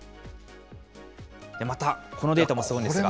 また、このデータもすごいんですが。